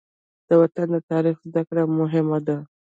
د وطن د تاریخ زده کړه مهمه ده.